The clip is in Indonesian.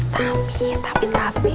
tapi tapi tapi